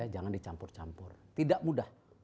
jangan dicampur campur tidak mudah